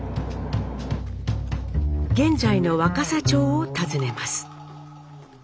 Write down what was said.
現在の若狭町を訪ねます。